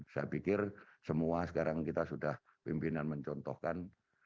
saya pikir semua sekarang kita sudah pimpinan mencontohkan